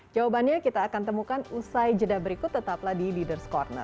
jawabannya kita akan temukan usai jeda berikut tetaplah di leaders' corner